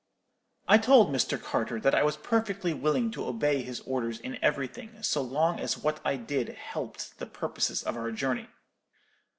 "I told Mr. Carter that I was perfectly willing to obey his orders in everything, so long as what I did helped the purposes of our journey.